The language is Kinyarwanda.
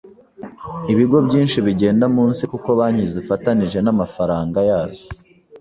Ibigo byinshi bigenda munsi kuko banki zifatanije namafaranga yazo